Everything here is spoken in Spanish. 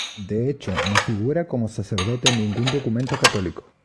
De hecho, no figura como sacerdote en ningún documento católico.